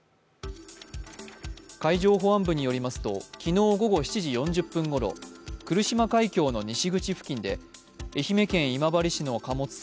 海上保安部によりますと昨日午後７時４０分ごろ、来島海峡の西口付近で愛媛県今治市の貨物船